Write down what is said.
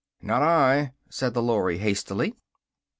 "Not I!" said the Lory hastily.